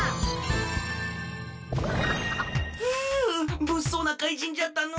ふうぶっそうな怪人じゃったのう。